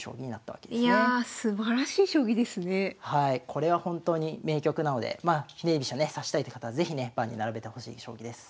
これは本当に名局なのでひねり飛車ね指したいって方は是非ね盤に並べてほしい将棋です。